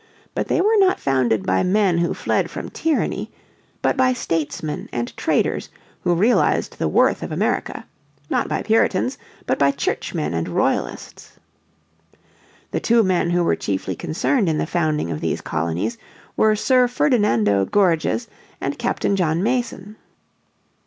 But they were not founded by men who fled from tyranny, but by statesmen and traders who realised the worth of America, not by Puritans, but by Churchmen and Royalists. The two men who were chiefly concerned in the founding of these colonies were Sir Ferdinando Gorges and Captain John Mason.